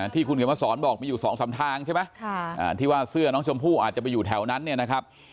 ที่คุณเขียนมาสอนบอกมีอยู่สองสามทางใช่ไหมที่ว่าเสื้อน้องชมพู่อาจจะไปอยู่แถวนั้นเนี่ยนะครับ